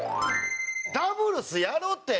ダブルスやろうって。